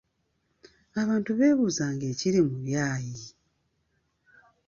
Abantu beebuuzanga ekiri mu byayi!